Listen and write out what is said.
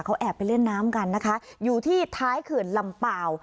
เขาแอบไปเล่นน้ำกันนะคะอยู่ที่ท้ายเขื่อนลำเปล่า